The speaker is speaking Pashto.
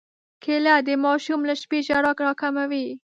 کېله د ماشوم له شپې ژړا راکموي.